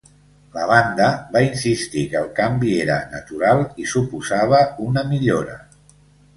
La banda va insistir que el canvi era natural i suposava una millora.